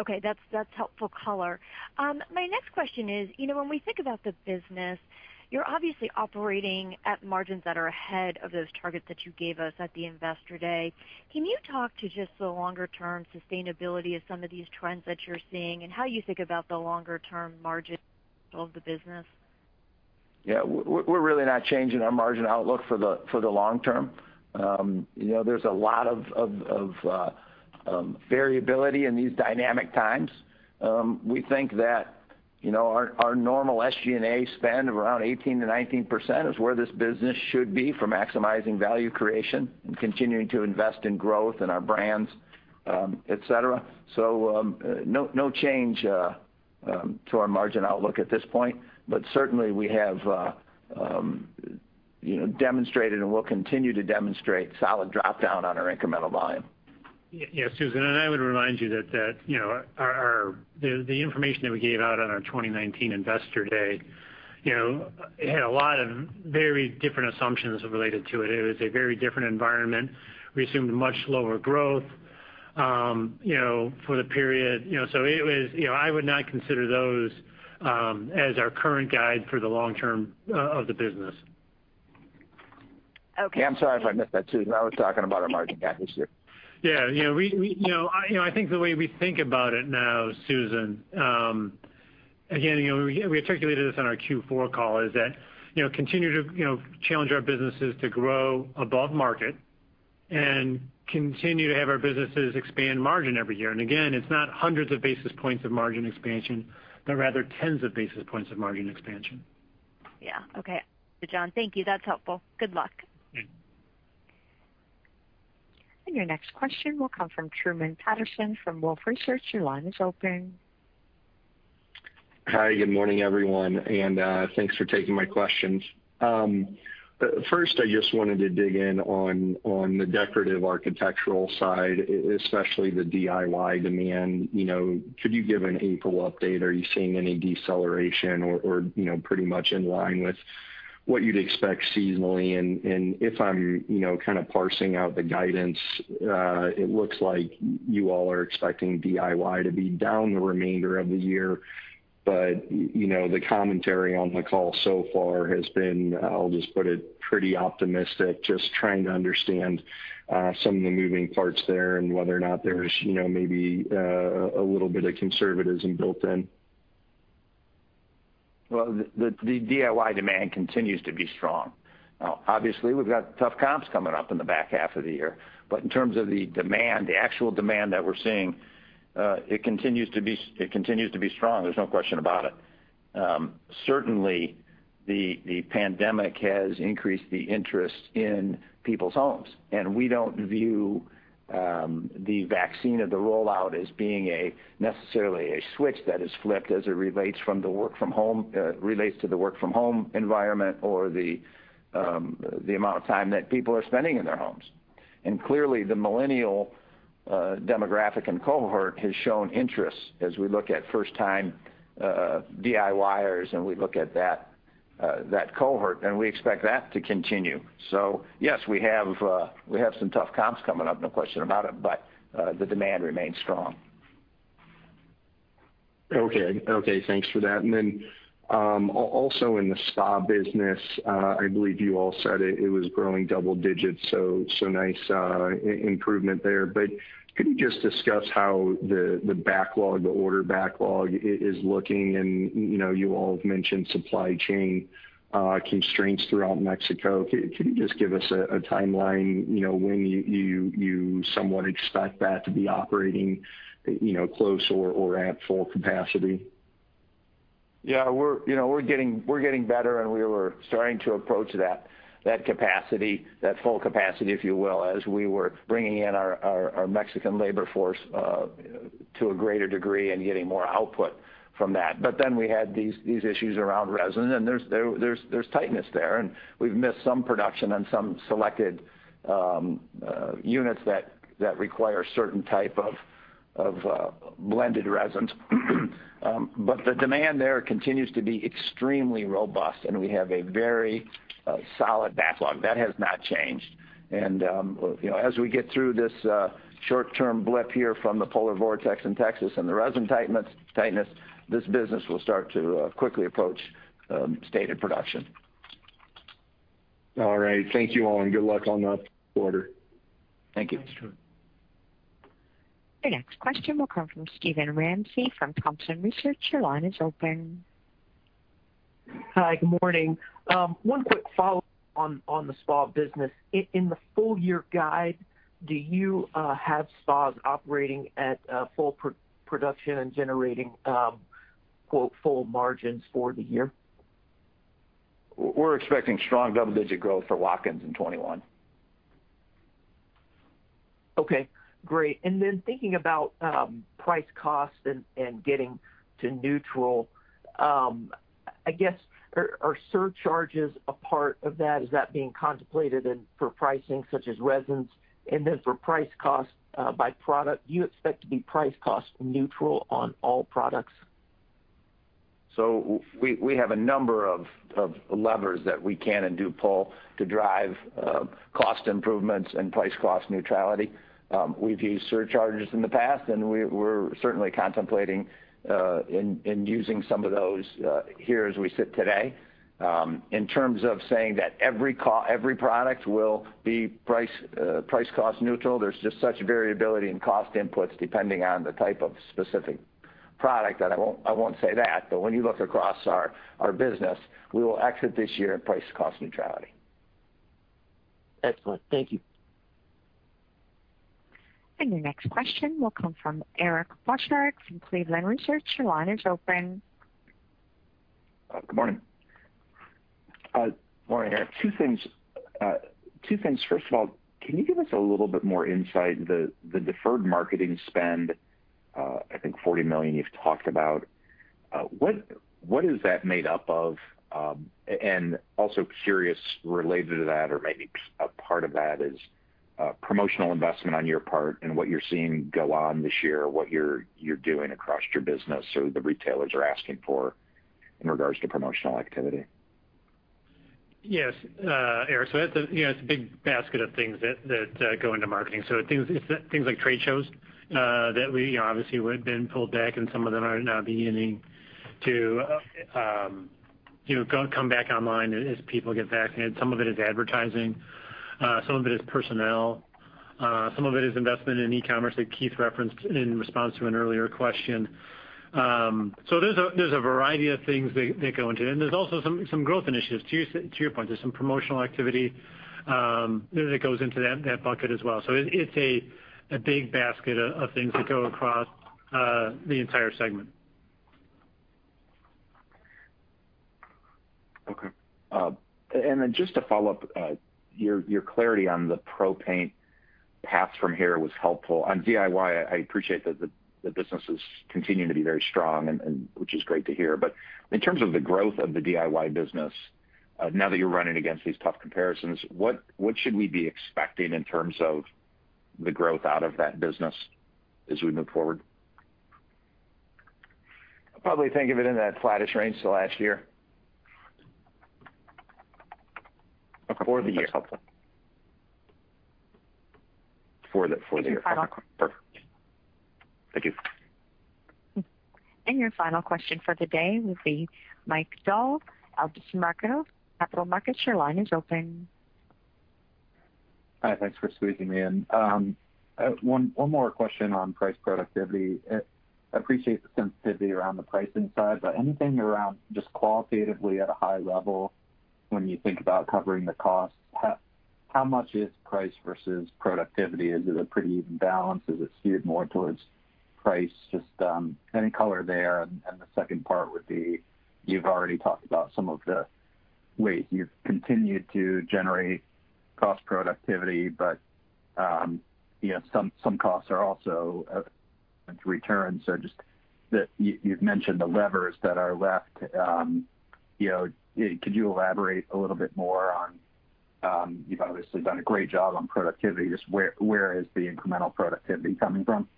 Okay. That's helpful color. My next question is, when we think about the business, you're obviously operating at margins that are ahead of those targets that you gave us at the Investor Day. Can you talk to just the longer-term sustainability of some of these trends that you're seeing and how you think about the longer-term margin of the business? We're really not changing our margin outlook for the long-term. There's a lot of variability in these dynamic times. We think that our normal SG&A spend of around 18%-19% is where this business should be for maximizing value creation and continuing to invest in growth in our brands, et cetera. No change to our margin outlook at this point, but certainly we have demonstrated and will continue to demonstrate solid drop-down on our incremental volume. Yeah, Susan, and I would remind you that the information that we gave out on our 2019 Investor Day, it had a lot of very different assumptions related to it. It was a very different environment. We assumed much lower growth for the period. I would not consider those as our current guide for the long-term of the business. Okay. Yeah, I'm sorry if I missed that, Susan. I was talking about our margin guidance here. Yeah. I think the way we think about it now, Susan, again, we articulated this on our Q4 call, is that continue to challenge our businesses to grow above market and continue to have our businesses expand margin every year. It's not 100s of basis points of margin expansion, but rather 10s of basis points of margin expansion. Yeah. Okay. John, thank you. That's helpful. Good luck. Your next question will come from Truman Patterson from Wolfe Research. Your line is open. Hi. Good morning, everyone, and thanks for taking my questions. First, I just wanted to dig in on the Decorative Architectural side, especially the DIY demand. Could you give an April update? Are you seeing any deceleration or pretty much in line with what you'd expect seasonally? If I'm parsing out the guidance, it looks like you all are expecting DIY to be down the remainder of the year. The commentary on the call so far has been, I'll just put it, pretty optimistic. Just trying to understand some of the moving parts there and whether or not there's maybe a little bit of conservatism built in. Well, the DIY demand continues to be strong. Now, obviously, we've got tough comps coming up in the back half of the year. In terms of the demand, the actual demand that we're seeing, it continues to be strong. There's no question about it. Certainly, the pandemic has increased the interest in people's homes, and we don't view the vaccine or the rollout as being necessarily a switch that is flipped as it relates to the work from home environment or the amount of time that people are spending in their homes. Clearly, the millennial demographic and cohort has shown interest as we look at first-time DIYers and we look at that cohort, and we expect that to continue. Yes, we have some tough comps coming up, no question about it, but the demand remains strong. Okay. Thanks for that. Also in the spa business, I believe you all said it was growing double-digits, so nice improvement there. Could you just discuss how the order backlog is looking? You all have mentioned supply chain constraints throughout Masco. Could you just give us a timeline when you somewhat expect that to be operating close or at full capacity? We're getting better. We were starting to approach that capacity, that full capacity, if you will, as we were bringing in our Mexican labor force to a greater degree and getting more output from that. We had these issues around resin, and there's tightness there. We've missed some production on some selected units that require a certain type of blended resin. The demand there continues to be extremely robust, and we have a very solid backlog. That has not changed. As we get through this short-term blip here from the polar vortex in Texas and the resin tightness, this business will start to quickly approach stated production. All right. Thank you all, and good luck on the quarter. Thank you. Thanks, Truman. Your next question will come from Steven Ramsey from Thompson Research. Your line is open. Hi. Good morning. One quick follow on the spa business. In the full year guide, do you have spas operating at full production and generating "full margins" for the year? We're expecting strong double-digit growth for Watkins in 2021. Okay. Great. Thinking about price-cost and getting to neutral, I guess are surcharges a part of that? Is that being contemplated for pricing such as resins? For price-cost by product, do you expect to be price-cost neutral on all products? We have a number of levers that we can and do pull to drive cost improvements and price-cost neutrality. We've used surcharges in the past, and we're certainly contemplating in using some of those here as we sit today. In terms of saying that every product will be price-cost neutral, there's just such variability in cost inputs depending on the type of specific product that I won't say that. When you look across our business, we will exit this year at price-cost neutrality. Excellent. Thank you. Your next question will come from Eric Bosshard from Cleveland Research. Your line is open. Good morning. Morning, Eric. Two things. First of all, can you give us a little bit more insight into the deferred marketing spend? I think $40 million you've talked about. What is that made up of? Also curious related to that or maybe a part of that is promotional investment on your part and what you're seeing go on this year, what you're doing across your business or the retailers are asking for in regards to promotional activity. Yes, Eric. It's a big basket of things that go into marketing. Things like trade shows that we obviously would've been pulled back and some of them are now beginning to come back online as people get vaccinated. Some of it is advertising, some of it is personnel, some of it is investment in e-commerce that Keith referenced in response to an earlier question. There's a variety of things that go into it, and there's also some growth initiatives. To your point, there's some promotional activity that goes into that bucket as well. It's a big basket of things that go across the entire segment. Okay. Then just to follow-up, your clarity on the Pro Paint paths from here was helpful. On DIY, I appreciate that the business is continuing to be very strong, which is great to hear. In terms of the growth of the DIY business, now that you're running against these tough comparisons, what should we be expecting in terms of the growth out of that business as we move forward? I'd probably think of it in that flattish range to last year. Okay. For the year. That's helpful. For the year. And your final- Perfect. Thank you. Your final question for the day will be Mike Dahl, RBC Capital Markets. Your line is open. Hi, thanks for squeezing me in. One more question on price productivity. I appreciate the sensitivity around the pricing side. Anything around just qualitatively at a high level when you think about covering the costs, how much is price versus productivity? Is it a pretty even balance? Is it skewed more towards price? Just any color there. The second part would be, you've already talked about some of the ways you've continued to generate cost productivity, but some costs are also returns. Just you've mentioned the levers that are left. Could you elaborate a little bit more on, you've obviously done a great job on productivity, just where is the incremental productivity coming from?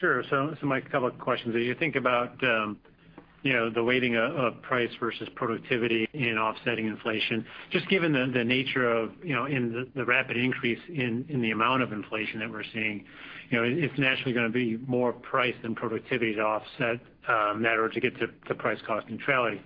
Sure. Mike, a couple of questions. As you think about the weighting of price versus productivity in offsetting inflation, just given the nature of the rapid increase in the amount of inflation that we're seeing, it's naturally going to be more price than productivity to offset in order to get to price-cost neutrality.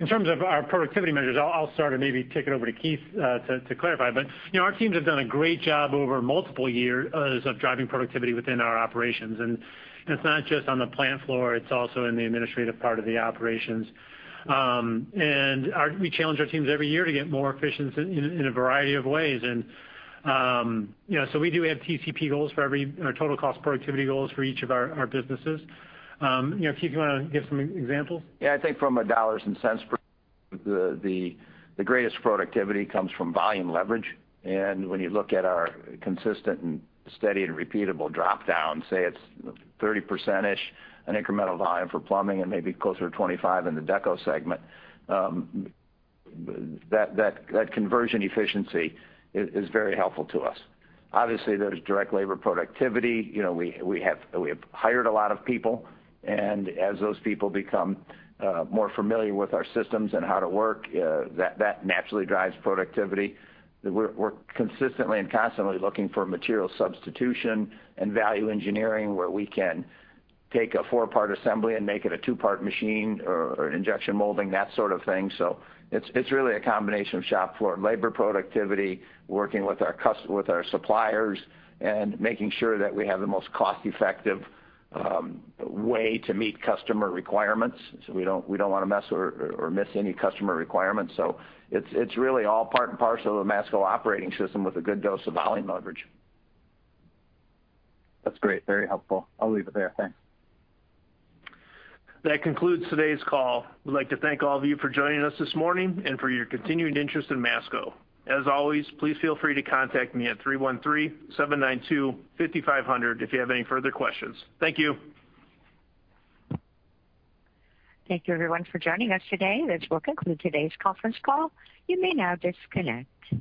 In terms of our productivity measures, I'll start and maybe kick it over to Keith to clarify, but our teams have done a great job over multiple years of driving productivity within our operations, and it's not just on the plant floor, it's also in the administrative part of the operations. We challenge our teams every year to get more efficient in a variety of ways. We do have TCP goals for our Total Cost Productivity goals for each of our businesses. Keith, you want to give some examples? Yeah, I think from a dollars and cents the greatest productivity comes from volume leverage. When you look at our consistent and steady and repeatable dropdown, say it's 30%-ish, an incremental volume for plumbing and maybe closer to 25% in the deco segment. That conversion efficiency is very helpful to us. Obviously, there's direct labor productivity. We have hired a lot of people, and as those people become more familiar with our systems and how to work, that naturally drives productivity. We're consistently and constantly looking for material substitution and value engineering where we can take a four-part assembly and make it a two-part machine or an injection molding, that sort of thing. It's really a combination of shop floor labor productivity, working with our suppliers, and making sure that we have the most cost-effective way to meet customer requirements. We don't want to mess or miss any customer requirements. It's really all part and parcel of the Masco operating system with a good dose of volume leverage. That's great. Very helpful. I'll leave it there. Thanks. That concludes today's call. We'd like to thank all of you for joining us this morning and for your continuing interest in Masco. As always, please feel free to contact me at 313-792-5500 if you have any further questions. Thank you. Thank you everyone for joining us today. This will conclude today's conference call. You may now disconnect.